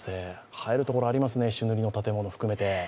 映えるところがありますね、朱塗りの建物含めて。